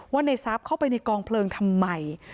ว่านายซับเข้าไปในกองเพลิงทำไม